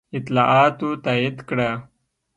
اطلاعاتو تایید کړه.